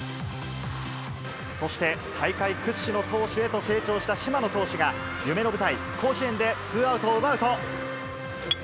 そして大会屈指の投手へと成長した島野投手が、夢の舞台、甲子園でツーアウトを奪うと。